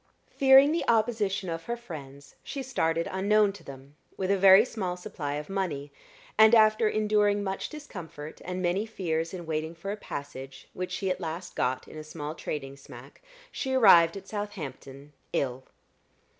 Fearing the opposition of her friends, she started unknown to them, with a very small supply of money; and after enduring much discomfort and many fears in waiting for a passage which she at last got in a small trading smack, she arrived at Southampton ill.